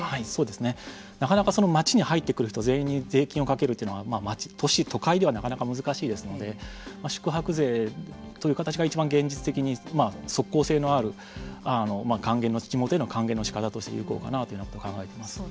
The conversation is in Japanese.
なかなか、まちに入ってくる人全員に税金をかけるというのは都会ではなかなか難しいですので宿泊税という形がいちばん現実的に速効性のある地元への還元のしかたとして有効かなということを考えています。